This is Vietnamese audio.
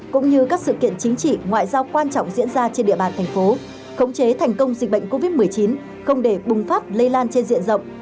cũng như các sự kiện chính trị ngoại giao quan trọng diễn ra trên địa bàn thành phố khống chế thành công dịch bệnh covid một mươi chín không để bùng phát lây lan trên diện rộng